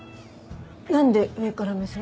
なんで上から目線？